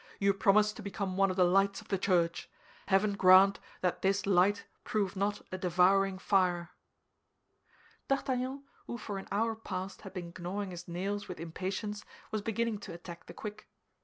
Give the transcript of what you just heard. "You promise to become one of the lights of the Church. Heaven grant that this light prove not a devouring fire!" D'Artagnan, who for an hour past had been gnawing his nails with impatience, was beginning to attack the quick.